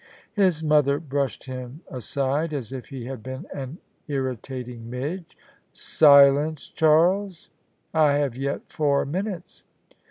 His mother brushed him aside as if he had been an irri tating midge. " Silence, Charles: I have yet four minutes."